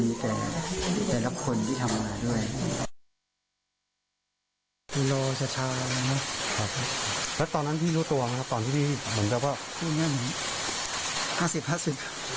แล้วตอนนั้นพี่รู้ตัวตอนที่พี่เหมือนกับว่าห้าสิบห้าสิบ